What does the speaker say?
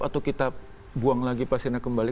atau kita buang lagi pasirnya kembali